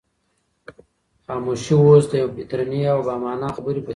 خاموشي اوس د یوې درنې او با مانا خبرې په څېر وه.